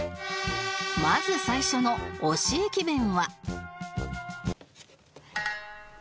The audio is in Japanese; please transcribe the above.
まず最初の推し駅弁は